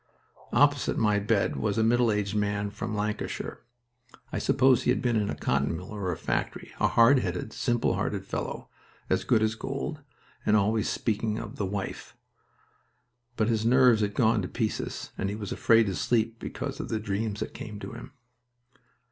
Opposite my bed was a middle aged man from Lancashire I suppose he had been in a cotton mill or a factory a hard headed, simple hearted fellow, as good as gold, and always speaking of "the wife." But his nerves had gone to pieces and he was afraid to sleep because of the dreams that came to him.